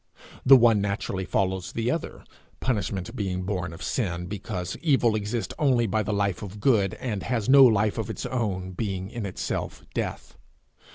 The one naturally follows the other, punishment being born of sin, because evil exists only by the life of good, and has no life of its own, being in itself death.